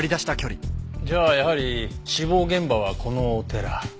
じゃあやはり死亡現場はこのお寺。